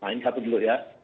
nah ini satu dulu ya